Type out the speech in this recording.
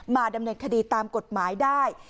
ดำเนินคดีตามกฎหมายได้